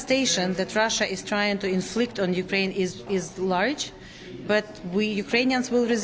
jadi penyakit yang rusia mencoba untuk menyerang ukraina besar tapi kita ukraina akan menyerang